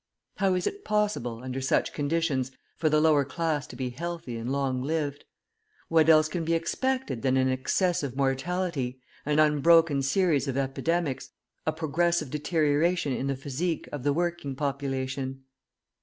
How is it possible, under such conditions, for the lower class to be healthy and long lived? What else can be expected than an excessive mortality, an unbroken series of epidemics, a progressive deterioration in the physique of the working population?